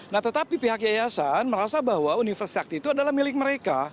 nah tetapi pihak yayasan merasa bahwa universitas itu adalah milik mereka